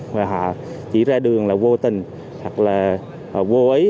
và họ chỉ ra đường là vô tình hoặc là vô ý